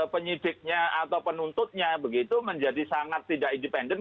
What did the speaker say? penyidiknya atau penuntutnya begitu menjadi sangat tidak independen